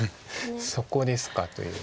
「そこですか」という。